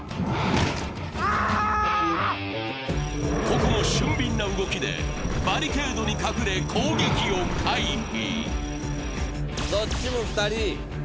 ここも俊敏な動きでバリケードに隠れ、攻撃を回避。